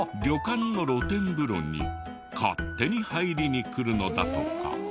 旅館の露天風呂に勝手に入りに来るのだとか。